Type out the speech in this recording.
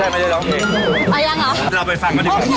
ไม่ใช่ไม่ได้ร้องเมลี่ย